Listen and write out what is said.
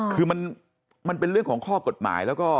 คือมันเป็นเรื่องของข้อกฎหมายแล้วก็